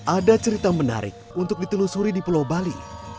ada cerita menarik untuk ditelusuri di pulau bali